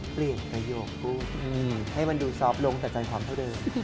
ประโยคกูให้มันดูซอฟต์ลงแต่ใจความเท่าเดิม